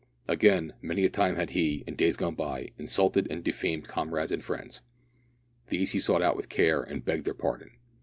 Again, many a time had he, in days gone by, insulted and defamed comrades and friends. These he sought out with care and begged their pardon.